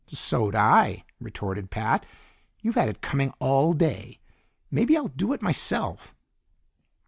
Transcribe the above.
"So'd I," retorted Pat. "You've had it coming all day; maybe I'll do it myself."